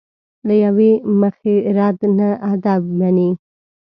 له یوې مخې رد نه ادب مني.